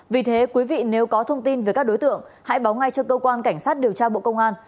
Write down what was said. vì thế quý vị nếu có thông tin về các đối tượng hãy báo ngay cho cơ quan cảnh sát điều tra bộ công an